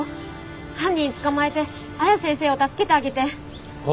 犯人捕まえて綾先生を助けてあげて！